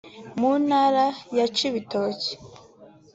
mu Ntara ya Cibitoki